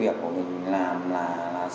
với cái việc của mình làm là sai phúc lợi